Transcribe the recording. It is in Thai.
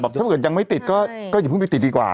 ถ้าเกิดยังไม่ติดก็อย่าเพิ่งไปติดดีกว่า